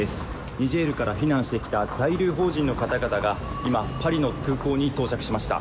ニジェールから避難してきた在留邦人の方々が今、パリの空港に到着しました。